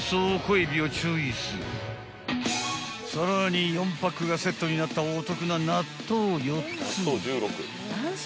［さらに４パックがセットになったお得な納豆４つ］